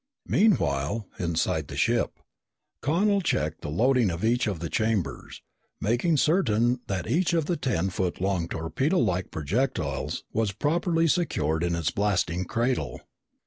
Meanwhile, inside the ship, Connel checked the loading of each of the chambers, making certain that each of the ten foot long torpedolike projectiles was properly secured in its blasting cradle.